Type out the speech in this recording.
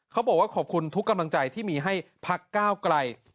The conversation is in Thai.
เขาบอกว่าขอบคุณทุกกำลังใจที่มีให้พักก้าวไกล